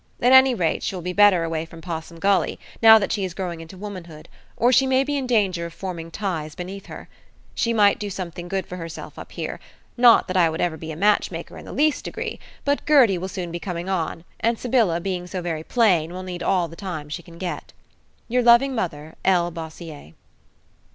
At any rate she will be better away from Possum Gully, now that she is growing into womanhood, or she may be in danger of forming ties beneath her. She might do something good for herself up here: not that I would ever be a matchmaker in the least degree, but Gertie will soon be coming on, and Sybylla, being so very plain, will need all the time she can get. Your loving mother, L. Bossier.